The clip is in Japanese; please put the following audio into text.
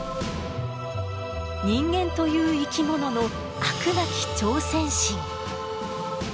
人間という生き物の飽くなき挑戦心。